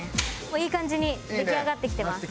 もういい感じに出来上がってきてます。